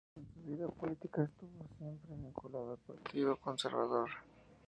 En su vida política estuvo siempre vinculado al partido conservador.